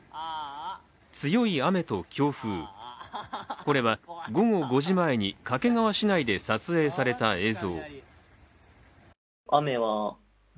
強い雨と強風、これは午後５時前に掛川市内で撮影された映像。